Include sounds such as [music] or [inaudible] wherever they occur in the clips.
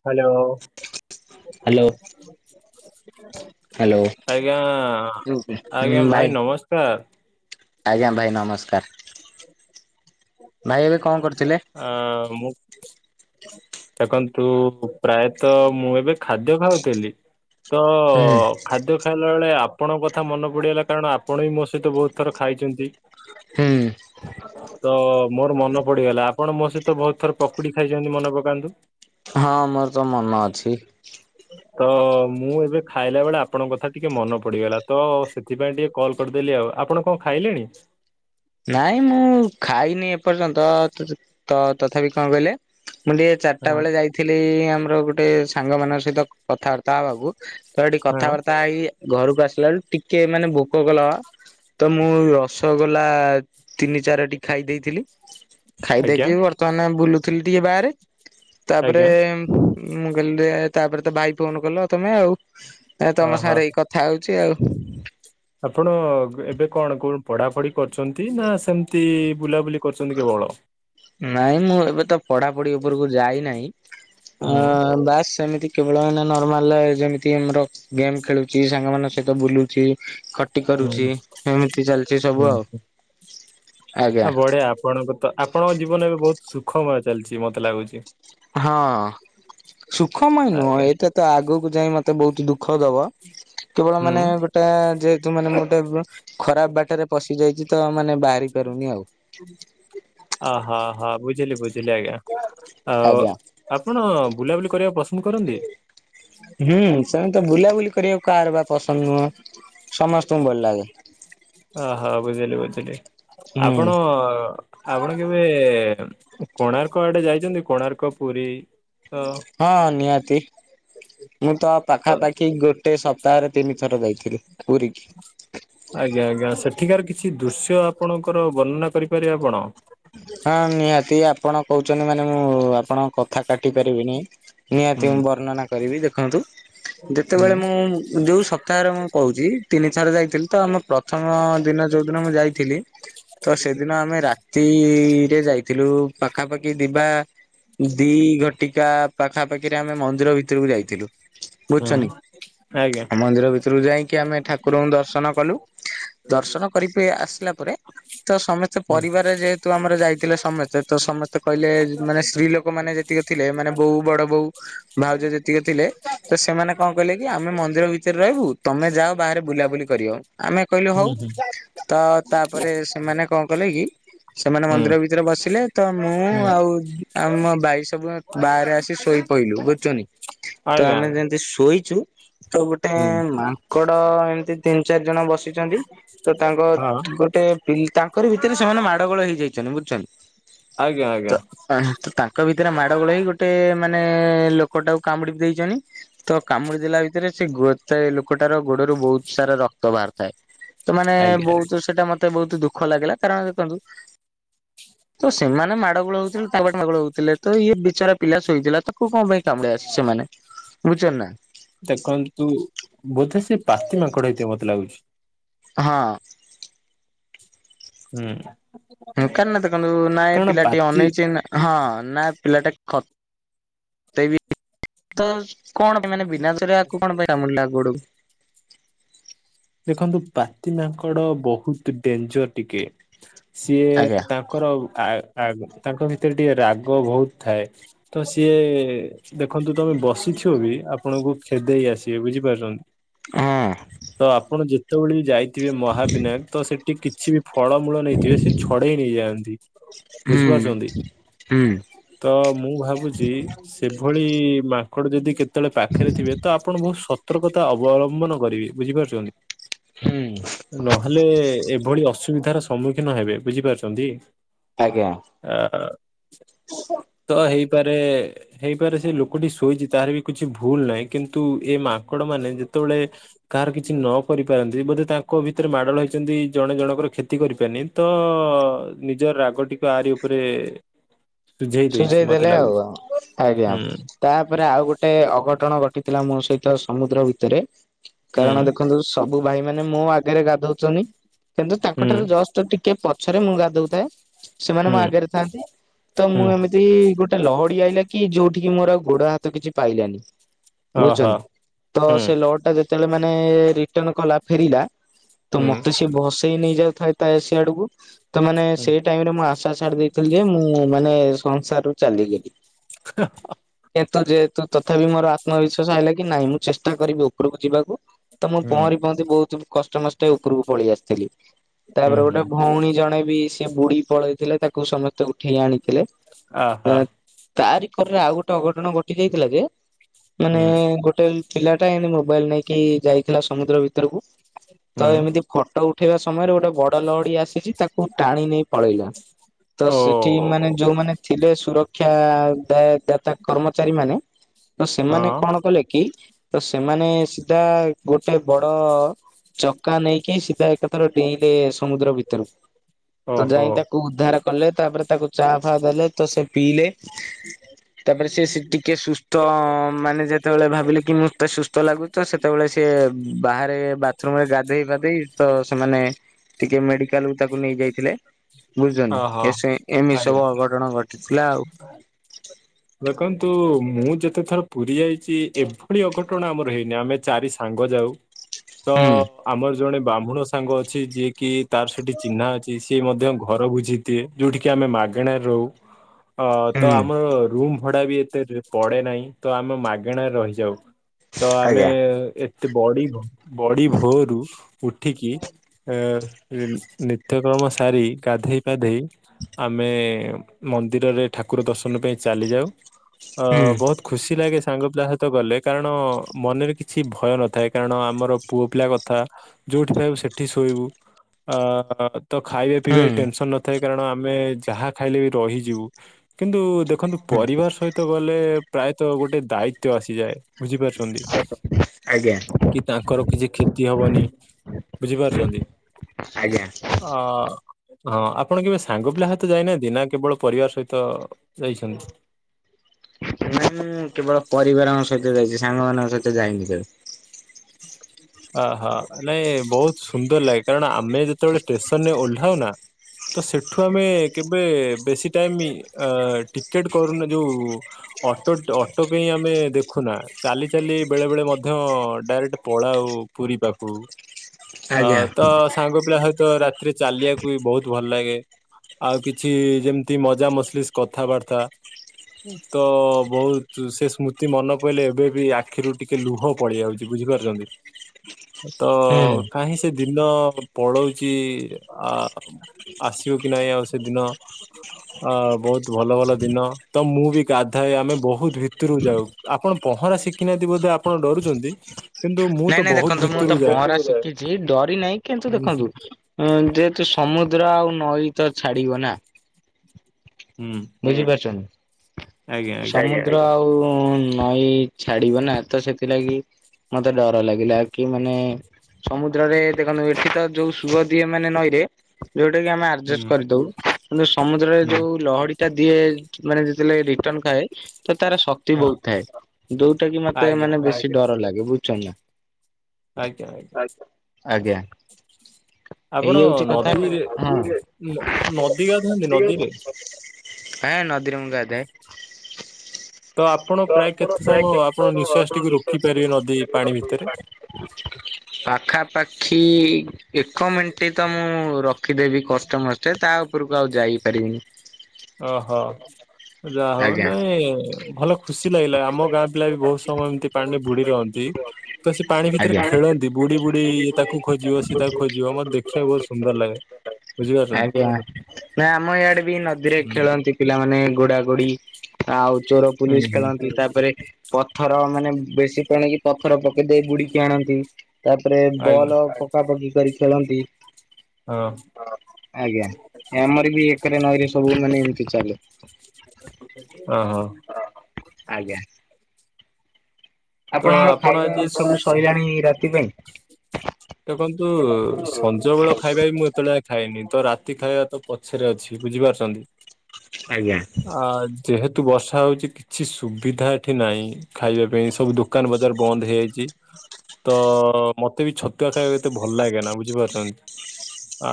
Hello. Hello hello ଆଜ୍ଞା ଆଜ୍ଞା ଭାଇ ନମସ୍କାର। ଆଜ୍ଞା ଭାଇ ନମସ୍କାର ଭାଇ ଏବେ କଣ କରୁଥିଲେ? ଆ ମୁଁ ଦେଖନ୍ତୁ ପ୍ରାୟତଃ ମୁଁ ଏବେ ଖାଦ୍ୟ ଖାଉଥିଲି। ତ ହୁଁ ଖାଦ୍ୟ ଖାଇଲା ବେଳେ ଆପଣଙ୍କ କଥା ମନେ ପଡ଼ିଗଲା କାରଣ ଆପଣ ବିିଁ ମୋ ସହିତ ବହୁତ ଥର ଖାଇଛନ୍ତି। ହୁଁ ତ ମୋର ମନେ ପଡିଗଲା। ଆପଣ ମୋ ସହିତ ବହୁତ ଥର ପକୁଡି ଖାଇଛନ୍ତି ମନେ ପକାନ୍ତୁ। ହଁ ମୋର ତ ମନ ଅଛି। ତ ମୁଁ ଏବେ ଖାଇଲା ବେଳେ ଆପଣଙ୍କ କଥା ଟିକେ ମନେ ପଡିଗଲା ତ ସେଥିପାଇଁ ଟିକେ କଲ୍ କରିଦେଲି ଆଉ ଆପଣ କଣ ଖାଇଲେଣି? ନାଇଁ ମୁଁ ଖାଇନି ଏପର୍ଯ୍ୟନ୍ତ ତ ତଥାପି କଣ କହିଲେ ମୁଁ ଟିକେ ଚାରିଟା ହଁ ବେଳେ ଯାଇଥିଲି ଆମର ଗୋଟେ ସାଙ୍ଗମାନଙ୍କ ସହିତ କଥାବାର୍ତ୍ତା ହେବାକୁ ତ ଏଠିକି ହଁ କଥାବାର୍ତ୍ତା ହେଇ ଘରକୁ ଆସିଲା ବେଳୁ ଟିକେ ମାନେ ଭୋକ କଲା ତ ମୁଁ ରସଗୋଲା ତିନି ଚାରଟି ଖାଇ ଦେଇଥିଲି। ଆଜ୍ଞା ଖାଇଦେଇକି ବର୍ତ୍ତମାନ ବୁଲୁଥିଲି ଟିକେ ବାହାରେ ତାପରେ ଆଜ୍ଞା ମୁଁ କହିଲି ତାପରେ ତ ଭାଇ ଫୋନ କଲ ତମେ ଆଉ ତମ ଓହୋ ସାଙ୍ଗରେ ଏଇ କଥା ହଉଛି ଆଉ। ଆପଣ ଏବେ କଣ କଣ ପଢାପଢି କରଛନ୍ତି ନା ସେମତି ବୁଲାବୁଲି କରୁଛନ୍ତି କେବଳ ନାଇଁ ମୁଁ ଏବେ ତ ପଢାପଢି ଉପରକୁ ଯାଇନାହିଁ ହୁଁ ଅ ବାସ୍ ସେମିତି କେବଳ ମାନ ନର୍ମାଲ ଯେମିତି ଆମର ଗେମ୍ ଖେଳୁଛି ସାଙ୍ଗ ମାନଙ୍କ ସହିତ ବୁଲୁଛି। ଖଟି ହଁ କରୁଛି ଏମିତି ଚାଲିଛି ସବୁ ହଁ ଆଉ। ଆଜ୍ଞା। ଆ ବଢିଆ ଆପଣଙ୍କ ତ ଆପଣଙ୍କ ଜୀବନ ଏବେ ବହୁତ ସୁଖମୟ ଚାଲିଛି ମତେ ଲାଗୁଛି। ହଁ। ସୁଖମୟ ନୁହଁ ଆଜ୍ଞା ଏଇଟା ତ ଆଗକୁ ଯାଇ ମତେ ବହୁତ ଦୁଃଖ ଦବ। କେବଳ ମାନେ ହୁଁ ଟା ଯେହେତୁ ମାନେ ଗୋଟେ ଖରାପ ବାଟରେ ପଶି ଯାଇଛି ତ ମାନେ ବାହାରି ପାରୁନି ଆଉ ଅହ ହଁ ବୁଝିଲି ବୁଝିଲି ଆଜ୍ଞା। ଆଉ ଆଜ୍ଞା। ଆପଣ ବୁଲାବୁଲି କରିବାକୁ ପସନ୍ଦ କରନ୍ତି। ହୁଁ ସେମିତି ତ ବୁଲାବୁଲି କରିବାକୁ କାହାର ବା ପସନ୍ଦ ନୁହଁ? ସମସ୍ତଙ୍କୁ ଭଲ ଲାଗେ। ଓହୋ ବୁଝିଲି ବୁଝିଲି ହୁଁ ଆପଣ? ଆପଣ କେବେ କୋଣାର୍କ ଆଡେ ଯାଇଛନ୍ତି କୋଣାର୍କ ପୁରୀ? ତ ହଁ ନିହାତି ମୁଁ ତ ପାଖାପାଖି ଗୋ ଗୋଟେ ସପ୍ତାହରେ ତିନି ଥର ଯାଇଥିଲି ପୁରୀ କିି। ଆଜ୍ଞା ଆଜ୍ଞା ସେଠିକାର କିଛି ଦୃଶ୍ୟ ଆପଣଙ୍କର ବର୍ଣ୍ଣନା କରିପାରିବେ ଆପଣ? ହଁ ନିହାତି ଆପଣ କହୁଛନ୍ତି ମାନେ ମୁଁ ଆପଣ କଥା କାଟି ପାରିବିନି ନିହାତି ହୁଁ ମୁଁ ବର୍ଣ୍ଣନା କରିବି ଦେଖନ୍ତୁ ହୁଁ ଯେତେବେଳେ ମୁଁ ଯୋଉ ସପ୍ତାହରେ ମୁଁ କହୁଛି ତିନିଥର ଯାଇଥିଲି ତ ଆମ ପ୍ର ପ୍ରଥମ ଦିନ ଯୋଉ ଦିନ ମୁଁ ଯାଇଥିଲି ତ ସେଦିନ ଆମେ ରା ତିରେ ଯାଇଥିଲୁ ପାଖାପାଖି ଦିବା ଦି ଘଟିକା ପାଖାପାଖିରେ ଆମେ ମନ୍ଦିର ଭିତରକୁ ଯାଇଥିଲୁ। ବୁଝୁଛନି। ହଁ। ମନ୍ଦିର ଭିତରୁକୁ ଯାଇକି ଆମେ ଠାକୁରଙ୍କୁ ଦର୍ଶନ କଲୁ। ଦର୍ଶନ କରିି ଆସିଲା ପରେ ତ ସମସ୍ତେ ହୁଁ ପରିବାର ଯେହେତୁ ଆମର ଯାଇଥିଲ ସମସ୍ତେ ତ ସମସ୍ତେ କହିଲେ ମାନେ ସ୍ତ୍ରୀ ଲୋକ ମାନେ ଯେତିକ ଥିଲେ ମାନେ ବୋଉ ବଡ ବୋଉ ଭାଉଜ ଯେତିକି ଥିଲେ ତ ସେମାନେ କଣ କହିଲେ କି ଆମେ ମନ୍ଦିର ଭିତରେ ରହିବୁ ତମେ ଯାଅ ବାହାରେ ବୁଲାବୁଲି କରି ଆମେ କହିଲୁ ହୁଁ ହଉ। ହୁଁ ତ ତାପରେ ସେମାନେ କଣ କଲେ କି? ସେମାନେ ମନ୍ଦିର ଭିତରେ ବସିଲେ ତ ମୁଁ ହୁଁ ହୁଁ ଆଉ ଆମ ଭାଇ ସବୁ ବାହାରେ ଆସି ଶୋଇ ପଇଲୁ ବୁଝୁଛନ୍ତୀ? ତ ଆଜ୍ଞା ଆମେ ଆଜ୍ଞା ଯେମିତି ଶୋଇଛୁ ତ ଗୋଟେ ହୁଁ ମାଙ୍କଡ ଏମିତି ତିନି ଚାରି ଜଣ ବସିଛନ୍ତି ତ ତାଙ୍କ ହଁ ଗୋଟେ ପି ତାଙ୍କରି ଭିତରେ ସେମାନେ ମାଡ଼ଗୋଳ ହେଇଯାଇଛନ୍ତି ବୁଝିଛନ୍ତି ଆଜ୍ଞା ତ ଆଜ୍ଞା। ଆଜ୍ଞା ଆ ତାଙ୍କ ଭିତରେ ମାଡ଼ ଗୋଳ ହେଇ ଗୋଟେ ମାନେ ଲୋକଟାକୁ କାମୁଡି ଦେଇଛନ୍ତି। ତ କାମୁଡି ଦେଲା ଭିତରେ ସେ ଗତେଏ ଲୋକଟାର ଗୋଡରୁ ବହୁତ ସାରା ରକ୍ତ ବାହାରୁଥାଏ। ତ ମାନେ ଆଜ୍ଞା ବହୁତ ସେଇଟା ମତେ ବହୁତ ଦୁଃଖ ଲାଗିଲା କାରଣ ଦେଖନ୍ତୁ ତ ସେମାନେ ମାଡ ଗୋଳ ହଉଥିଲ କବାଟ ମଗୁଲ ହଉଥିଲେ ତ ଇଏ ବିଚରା ପିଲା ଶୋଇଥିଲା ତାକୁ କଣ ପାଇଁ କାମୁଡ ଆସିଛି ସେମାନେ ବୁଝିଛଛନ୍ତି ନା? ତାଙ୍କତୁ ବୋଧେ ସେ ପାତି ମାଙ୍କଡ ହେଇଥିବ ମତେ ଲାଗୁଛି। ହଁ। ହୁଁ। [unintelligible] ନାଇଁ କାରଣ ପିଲାଟି ପାତି ଅନେଇଛି ହଁ ନା ପିଲାଟା ଖ [unintelligible] ତ କଣପାଇଁ ମାନେ ବିନାରେ ଦୋଷରେ ଆକୁ କଣପାଇଁ କାମୁଡିଲା ଗୋଡକୁ? ଦେଖନ୍ତୁ ପାତି ମାଙ୍କଡ ବହୁତ ଡେଞ୍ଜର ଟିକେ ସିଏ ଆଜ୍ଞା ତା ତାଙ୍କର ଆଗ୍ ଆଗ୍ ତାଙ୍କ ଭିତରେ ଟିକେ ରାଗ ବହୁତ ଥାଏ ତ ସିଏ ଦେଖନ୍ତୁ ତମେ ବସିଥିବ ବି ଆପଣଙ୍କୁ ଖେଦେଇ ଆସିବେ ବୁଝିପାରୁଛନ୍ତି? ହଁ। ତ ଆପଣ ଯେତେବେଳେ ବି ଯାଇଥିବେ ମହାବିନାୟକ ତ ସେଠି କିଛି ବି ଫଳମୂଳ ନେଇଥିବେ ସେ ଛଡେଇ ନେଇଯାଆନ୍ତି ହୁଁ ବୁଝିପାରୁଛନ୍ତି? ହୁଁ ତ ମୁଁ ଭାବୁଛି ସେଭଳି ମାଙ୍କଡ ଯଦି କେ ଯେତେଳେ ପାଖରେ ଥିବେ ତ ଆପଣ ବହୁତ ସତର୍କତା ଅବଲମ୍ବନ କରିବେ ବୁଝିପାରୁଛନ୍ତି? ହୁଁ। ନହେଲେ ଏଭଳି ଅସୁବିଧାର ସମ୍ମୁଖୀନ ହେବେ ବୁଝିପାରୁଛନ୍ତି? ଆଜ୍ଞା। ଆ ତ ହେଇପାରେ ହେଇପାରେ ସେ ଲୋକଟି ଶୋଇଛି ତାର ବି କିଛି ଭୁଲ ନାହିଁ କିନ୍ତୁ ଏ ମାଙ୍କଡ ମାନେ ଯେତେବେଳେ କାହାର କିଛି ନ କରିପାରନ୍ତି ବୋଧେ ତାଙ୍କ ଭିତରେ ମାଡ ହଲାଗିଛନ୍ତି ଜଣେ ଜଣଙ୍କର କ୍ଷତି କରିପାରନି। ତ ନିଜ ରାଗଟିକୁ ଆରି ଉପରେ ସୁଝେଇ ଦେଇଛି ସୁଜେଇ ମତେ ଦେଲେ ଆଉ, ଲାଗୁଛି ଆଜ୍ଞା। ହୁଁ ତାପରେ ଆଉ ଗୋଟେ ଅଘଟଣ ଘଟିଥିଲା ମୋ ସହିତ ସମୁଦ୍ର ଭିତରେ। ହୁଁ କାରଣ ଦେଖନ୍ତୁ ସବୁ ଭାଇ ମାନେ ମୋ ଆଗରେ ଗାଧଉଚନି, କିନ୍ତୁ ହୁଁ ତାଙ୍କଠାରୁ ଜଷ୍ଟ ତ ଟିକେ ପଛରେ ମୁଁ ଗାଧଉଥାଏ, ସେମାନେ ମୋ ହୁଁ ଆଗରେ ଥାନ୍ତି। ତ ମୁଁ ହୁଁ ଏମ ଏମିତି ଗୋଟେ ଲହଡି ଆଇଲା କି ଯୋଉଠିକି ମୋର ଆଉ ଗୋଡ, ହାତ କିଛି ପାଇଲାନି। ବୁଝୁଚନ୍ ଓହୋ ତ ହୁଁ ସେ ଲ ଟା ଯେ ତେଳେ ମାନେ ରିଟର୍ଣ୍ଣ କଲା ଫେରିଲା ତ ହୁଁ ମୋତେ ସିଏ ବସେଇ ନେଇଯାଉଥାଏ। ତ ସିଆଡକୁ ତ ମାନେ ହୁଁ ସେଇ ଟାଇମ୍ ରେ ମୁଁ ଆଶା ଛାଡି ଦେଇଥିଲି ଯେ ମୁଁ ମାନେ ସଂସାରୁ ଚାଲିଗଲି। ଚ ଏ ତ ଯେହେତୁ ତଥାପି ମୋର ଆତ୍ମବିଶ୍ୱାସ ହେଲା କି ନାଇଁ ମୁଁ ଚେଷ୍ଟା କରିବି ଉପରକୁ ଯିବାକୁ। ତ ମୁଁ ହୁଁ ପହଁରି ପହଁରି ବହୁତ କଷ୍ଟମଷ୍ଟେ ଉପରକୁ ପଳେଇ ଆସିଥିଲି। ହୁଁ ତାପରେ ହୁଁ ଗୋଟେ ଭଉଣୀ ଜଣେ ବି ସେ ବୁଢି ପଳେଇଥିଲେ ତାକୁ ସମସ୍ତେ ଉଠେଇ ଆଣିଥିଲେ। ଓହୋ। ତାରିକରରେ ଆଉ ଗୋଟେ ଅଘଟଣ ଘଟି ଯାଇଥିଲା ଯେ ମାନେ ହୁଁ ଗୋଟେଇ ପିଲାଟା ଏମତି ମୋବାଇଲ୍ ନେଇକି ଯାଇଥିଲା ସମୁଦ୍ର ଭିତରକୁ। [inaudible] ତ ଏମିତି ଫଟୋ ଉଠେଇବା ସମୟରେ ଗୋଟେ ବଡ ଲହଡି ଆସିଛି ତାକୁ ଟାଣି ନେଇ ପଳେଇଲା। ତ ଓ ସେଠି ମାନେ ଯୋଉମାନେ ଥିଲେ ସୁରକ୍ଷା ଦା- ଦାତା କର୍ମଚାରୀ ମାନେ ତ ହଁ ସେମାନେ କଣ କଲେ କି? ତ ସେମାନେ ସିଧା ଗୋଟେ ବଡ ଚକା ନେଇକି ସିଧା ଏକାଥରେ ଡେଇଁ ଲେ ସମୁଦ୍ର ଭିତରକୁ, ତ ଓହୋ ଯାଇ ତାକୁ ଉଦ୍ଧାର କଲେ ତାପରେ ତାକୁ ଚା ଫା ଦେଲେ। ତ ସେ ପିଇଲେ ତାପରେ ସେ ସି- ଟିିକେ ସୁସ୍ଥ ମାନେ ଯେତେବେଳେ ଭାବିଲେ କି ମୋତେ ସୁସ୍ଥ ଲାଗୁ ତ ସେତେବେଳେ ସେ ସେ ବାହାରେ ବାଥରୁମ୍ ରେ ଗାଧେଇ ପାଧେଇ ତ ସେମାନେ ଟିକେ ମେଡିକାଲ୍ କୁ ତାକୁ ନେଇ ଯାଇଥିଲେ, ବୁଝୁଚନି, ଓହୋ ଏ ଏମିତି ଆଜ୍ଞା ସବୁ ଅଘଟଣ ଘ [unintelligible] ଲା ଆଉ। ଦେଖନ୍ତୁ ମୁଁ ଯେତେ ଥର ପୁରୀ ଯାଇଚି, ଏଭଳି ଅଘଟଣ ଆମର ହେଇନି, ଆମେ ଚାରି ସାଙ୍ଗ ଯାଉ। ତ ହୁଁ ଆମର ଜଣେ ବ୍ରାହ୍ମୁଣ ସାଙ୍ଗ ଅଛି ଯିଏ କିି ତାର ସେଠି ଚିହ୍ନା ଅଛି। ସିଏ ମଧ୍ୟ ଘର ବୁଝି ଦିଏ, ଯୋଉଠି କିି ଆମେ ମାଗଣାରେ ରହୁ, ଅ, ତ ହୁଁ ଆମ ଭଡା ବି ଏତେ ଯୁ-ପଡେ ନାହିଁ, ତ ଆମେ ମାଗେଣାରେ ରହିଯାଉ। ତ ଆମେ ଆଜ୍ଞା ଏ ତ ବଡି ଭ-ବଡି ଭୋରୁୁ ଉଠିକି ଅ, ଇନ୍ ନିତ୍ୟକର୍ମ ସାରି ଗାଧେଇ ପାଧେଇ ଆମେ ମନ୍ଦିରରେ ଠାକୁର ଦର୍ଶନ ପାଇଁ ଚାଲି ଯାଉ, ଅ, ହୁଁ ବହୁତ ଖୁସି ଲାଗେ ସାଙ୍ଗ ପିଲା ସହିତ ଗଲେ, କାରଣ ମନରେ କିଛି ଭୟ ନଥାଏ, କାରଣ ଆମର ପୁଅ ପିଲା କଥା। ଯୋଉଠି ପାଇବୁ ସେଠି ଶୋଇବୁ ଆ, ତ ଖାଇବା ପିଇବାରେ ଟେନସନ୍ ନଥାଏ କାରଣ ଆମେ ଯାହା ଖାଇଲେ ବି ରହିଯିବୁ, କିନ୍ତୁ ଦେ ଖନ୍ତୁ ହୁଁ ପରିବାର ସହିତ ଗଲେ ପ୍ରାୟତଃ ଗୋଟେ ଦାୟିତ୍ଵ ଆସିଯାଏ। ବୁଝିପାରୁଛନ୍ତି? ଆଜ୍ଞା କି ତାଙ୍କର କିଛି କ୍ଷତି ହବନି, ବୁଝିପାରୁଛନ୍ତି? ଆଜ୍ଞା। ଅ, ହଁ ଆପଣ କେବେ ସାଙ୍ଗ ପିଲା ହତ ଯାଇନାହାନ୍ତି ନା କେବଳ ପରିବାର ସହିତ ଯାଇଛନ୍ତି? ମୁଁ କେବଳ ପରିବାରଙ୍କ ସହିତ ଯାଇଛି, ସାଙ୍ଗ ମାନଙ୍କ ସହିତ ଯାଇନି କେବେ। ଅହୋ ନାଇଁ ବହୁତ ସୁନ୍ଦର ଲାଗେ କାରଣ ଆମେ ଯେତେବେଳେ ଷ୍ଟେସନରେ ଓହ୍ଲାଉ ନା। ତ ସେଠୁ ଆମେ କେବେ ବେଶୀ ଟାଇମ୍ ଟିକେଟ କରୁନୁ ଯୋଉ ଅଟୋ ଅଟୋ ପାଇଁ ଆମେ ଦେଖୁନା ଚାଲି ଚାଲି ବେଳେବେଳେ ମଧ୍ୟ ଡାଇରେକ୍ଟ ପଳାଉ ପୁରୀ ପାଖକୁ ଅ ଆଜ୍ଞା ତା ସାଙ୍ଗ ପିଲା ସହିତ ରା ଏଥିରେ ଚାଲିବାକୁ ବି ବହୁତ ଭଲ ଲାଗେ। ଆଉ କିଛି ଯେମିତି ମଜା ମସଲି କଥାବାର୍ତା ତ ବହୁତ ସେ ସ୍ମୃତି ମନେ ପଇଲେ ଏବେ ବି ଆଖିରୁ ଟିକେ ଲୁହ ପଡ଼ି ଯାଉଛି ବୁଝିପାରୁଛନ୍ତି। ତ ହୁଁ। କାହିଁ ସେ ଦିନ ପଳୋଉଚି ଆଉ ଆସିବ କି ନାଇଁ ଆଉ ସେଦିନ ଅ ବହୁତ ଭଲ ଭଲ ଦିନ ତ ମୁଁ ବି ଗାଧାଏ ଆମେ ବହୁତ ଭିତରକୁ ଯାଉ। ଆପଣ ପହଁରା ଶିଖିନାହାନ୍ତି ବୋଧେ ଆପଣ ଡରୁଛନ୍ତି। କିନ୍ତୁ ମୁଁ ନାଇଁ ତ ନାଇଁ ବହୁତ ଦେଖନ୍ତୁ ମୁଁ ଭିତରୁ ତ ଯାଏ। ପହଁରା ଶିଖିଛି ଡରି ନାହିଁ କିନ୍ତୁ ହୁଁ ହୁଁ। ଦେଖନ୍ତୁ ହଁ ଯେହେତୁ ସମୁଦ୍ର ଆଉ ନଈ ତ ଛାଡିବ ନା। ହୁଁ। ବୁଝିପାରୁଚନ୍ତି ଆଜ୍ଞା ଆଜ୍ଞା। ସାଇଁଆ ର ଆଉ ନଈ ଛାଡିବ ନା ତ ସେଥିଲାଗି ମତେ ଡର ଲାଗିଲା କି ମାନେ ସମୁଦ୍ରରେ ଦେଖନ୍ତୁ ଏଠି ତ ଯୋଉ ସୁଅ ଦିଏ ମାନେ ନଈରେ ଯୋଉଟା କି ଆମେ ଆର୍ଜେଷ୍ଟ ହୁଁ କରିଦଉ କିନ୍ତୁ ସମୁଦ୍ର ରେ ହୁଁ ଯୋଉ ଲହଡି ଟା ଦିଏ ମାନେ ଯେତେବେଳେ ରିଟର୍ଣ ଖାଏ ତ ତାର ସ ନ୍ତି ହଁ ବହୁତ ଥାଏ ଯୋଉଟା କି ମତେ ଆଜ୍ଞା ମାନେ ଆଜ୍ଞା ବେଶୀ ଡର ଲାଗେ ବୁଝୁଚନା। ଆଜ୍ଞା ଆଜ୍ଞା ଆଜ୍ଞା। ଆପଣ ହେଇଯାଉଛି କଥା ନଦୀରେ ହଁ ନଦୀ ଗାଧାନ୍ତି ନଦୀରେ? ହେଁ ନଦୀରେ ମୁଁ ଗାଧାଏ। ତ ଆପଣ ପ୍ରାୟ କେତେ ସମୟ ଆପଣ ନିଶ୍ୱାସ ଟିକୁ ରୋକି ପାରିବେ ନଦୀ ପାଣି ଭିତରେ? ହ ପାଖାପାଖି ଏକ ମିଣ୍ଟି ତ ମୁଁ ରଖିଦେବି କଷ୍ଟମଷ୍ଟେ ତା ଉପରକୁ ଆଉ ଯାଇପାରିବିନି। ଓହୋ। ଯାହା ହଉ ଆଜ୍ଞା ନାଇଁ ଭଲ ଖୁସି ଲାଗିଲା ଆମ ଗାଁ ପିଲା ବି ବହୁତ ସମୟ ଏମିତି ପାଣିରେ ବୁଡି ରହନ୍ତି। ତ ସେ ପାଣି ଭିତରେ ଆଜ୍ଞା। ଖେଳନ୍ତି ବୁଡି ବୁଡି ତାକୁ ଖୋଜିବ ସି ତାକୁ ଖୋଜିବ ମତେ ଦେଖିବାକୁ ବହୁତ ସୁନ୍ଦର ଲାଗେ। ଆଜ୍ଞା ବୁଝିପାରୁଛନ୍ତି। ନା ଆମ ଇଆଡେ ବି ନଦୀରେ ହୁଁ ଖେଳନ୍ତି ପିଲାମାନେ ଗୋଡା ଗୋଡି ଆଉ ଚୋର ହୁଁ ପୋଲିସ ହୁଁ ଖେଳନ୍ତି ତାପରେ ପଥର ମାନେ ବେଶୀ କଣ କି ପଥର ପକେଇ ଦେବେ ବୁଡିକି ଆଣନ୍ତି। ତାପରେ ଆଜ୍ଞା ବଲ ପକା ପକି କରି ଖେଳନ୍ତି। ହଁ ଆଜ୍ଞା ଆମର ବି ଏକରେ ନଈରେ ସବୁ ମାନେ ଏଠି ଚାଲେ ହଁ ହଁ ଆଜ୍ଞା। ତ ଆପଣଙ୍କର ଆପଣ ଖାଇବା ଆଜି ସବୁ ସଇଲାଣି ରାତି ପାଇଁ? ଦେଖନ୍ତୁ ସଞ୍ଜ ବେଳ ଖାଇବା ବି ମୁଁ ଏତେବେଳେ ଯାଏ ଖାଇନି ତ ରାତି ଖାଇବା ତ ପଛରେ ଅଛି ବୁଝିପାରୁଛନ୍ତି। ଆଜ୍ଞା। ଆ ଯେହେତୁ ବର୍ଷା ହୋଉଚି କିଛି ସୁବିଧା ଏଠି ନାହିଁ ଖାଇବା ପାଇଁ ସବୁ ଦୋ କାନ ବଜାର ବନ୍ଦ ହେଇଯାଇଚି। ତ ମତେ ବି ଛତୁଆ ଖାଇବାକୁ ଏତେ ଭଲ ଲାଗେ ନା ବୁଝିପାରୁଛନ୍ତି। ଆ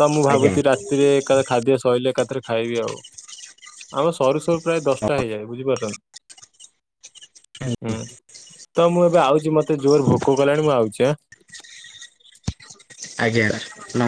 ତ ମୁଁ ଆଜ୍ଞା ଭାବୁଚି ରାତିରେ ଏକାଥେରେ ଖାଦ୍ୟ ସଇଲେ ଏକାଥରେ ଖାଇବି ଆଉ। ଆମର ସରୁ ସରୁ ପ୍ରାୟ ଦଶଟା ହେଇଯାଏ ବୁଝିପାରୁଛନ୍ତି। ହୁଁ ତ ମୁଁ ଏବେ ଆଉଚି ମତେ ଜୋର ଭୋକ କଲାଣି ମୁଁ ଆଉଚି ଆଁ। ଆଜ୍ଞା। ନମ